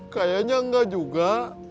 kayaknya enggak juga